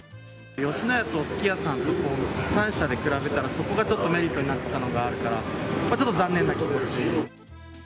吉野家とすき屋さんと３社で比べたら、そこがちょっとメリットになってたのがあったから、ちょっと残念な気持ち。